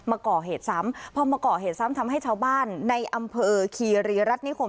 มาก่อเหตุซ้ำพอมาก่อเหตุซ้ำทำให้ชาวบ้านในอำเภอคีรีรัฐนิคม